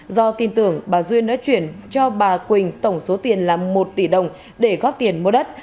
do tin tưởng bà duyên đã chuyển cho bà quỳnh tổng số tiền là một tỷ đồng để góp tiền mua đất